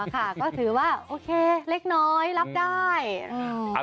ค่ะก็ถือว่าโอเคเล็กน้อยรับได้